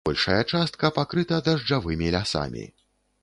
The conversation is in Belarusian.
Большая частка пакрыта дажджавымі лясамі.